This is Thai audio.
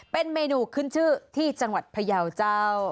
เป็นเมนูขึ้นชื่อที่จังหวัดพยาวเจ้า